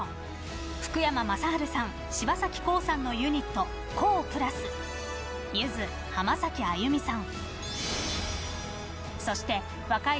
福山雅治さん柴咲コウさんのユニットＫＯＨ＋ゆず、浜崎あゆみさんん。